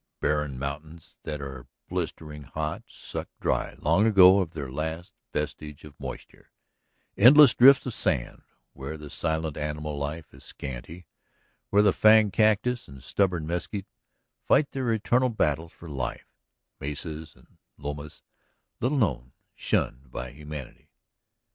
Barren mountains that are blistering hot, sucked dry long ago of their last vestige of moisture; endless drifts of sand where the silent animal life is scanty, where fanged cactus and stubborn mesquite fight their eternal battles for life; mesas and lomas little known, shunned by humanity.